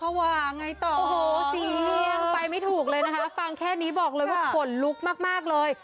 ว่าไงต่อโอ้โหสีเรียงไปไม่ถูกเลยนะคะฟังแค่นี้บอกเลยว่าขนลุกมากเลย